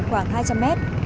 khoảng hai trăm linh mét